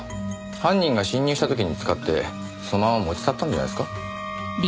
犯人が侵入した時に使ってそのまま持ち去ったんじゃないですか？